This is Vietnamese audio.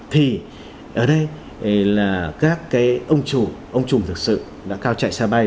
thì ở đây là các cái ông chủ ông trùng thực sự đã cao chạy xa bay